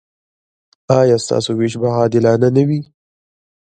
ایا ستاسو ویش به عادلانه نه وي؟